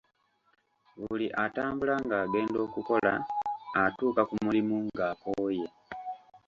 Buli atambula ng’agenda okukola atuuka ku mulimu ng’akooye.